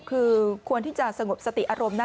คือควรที่จะสงบสติอารมณ์นะ